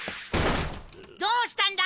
どうしたんだ？